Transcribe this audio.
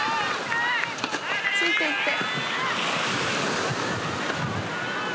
ついていって。